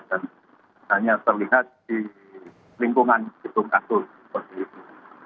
dan hanya terlihat di lingkungan jidul kasus seperti ini